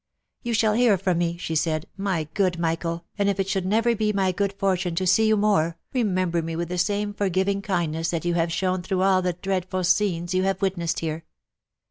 " You shall hear from me," she said, " my good Michael, and if it should never be my good fortune to see you more, remember me with the same forgiving kindness that you have shown through all the dreadful scenes you have witnessed here.